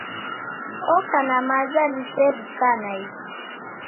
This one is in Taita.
Oka na maza risew'uka naighu.